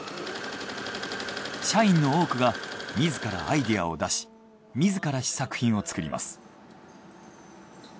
社員の多くが自らアイデアを出し自ら試作品を作ります。